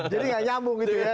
jadi gak nyambung gitu ya